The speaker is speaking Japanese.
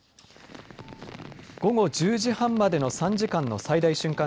午後１０時半までの３時間の最大瞬間